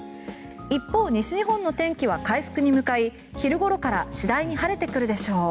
一方、西日本の天気は回復に向かい昼ごろから次第に晴れてくるでしょう。